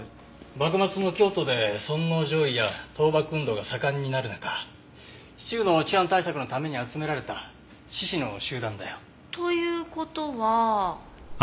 幕末の京都で尊王攘夷や倒幕運動が盛んになる中市中の治安対策のために集められた志士の集団だよ。という事は。